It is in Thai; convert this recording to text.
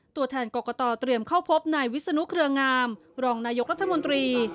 ตัวแทนกรกตเตรียมเข้าพบนายวิศนุเครืองามรองนายกรัฐมนตรี